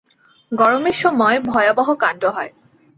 গরমের সময় ভয়াবহ কাণ্ড হয়।